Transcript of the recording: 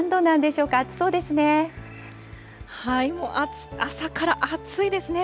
もう朝から暑いですね。